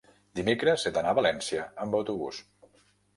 Dimecres he d'anar a València amb autobús.